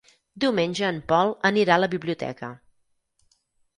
Diumenge en Pol anirà a la biblioteca.